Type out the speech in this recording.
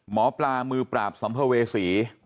หมอปลามือปราบสัมภเวษี